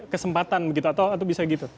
kesempatan begitu atau bisa gitu